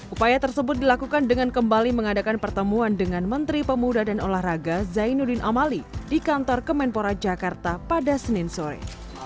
upaya tersebut dilakukan dengan kembali mengadakan pertemuan dengan menteri pemuda dan olahraga zainuddin amali di kantor kemenpora jakarta pada senin sore